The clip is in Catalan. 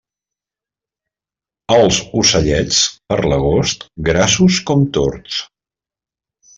Els ocellets, per l'agost, grassos com tords.